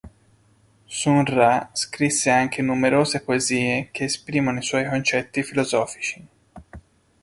Sun Ra scrisse anche numerose poesie che esprimono i suoi concetti filosofici.